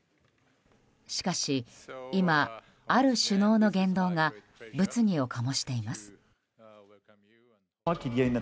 しかし今、ある首脳の言動が物議を醸しています。